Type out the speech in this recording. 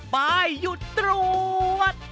ป้ายหยุดตรวจ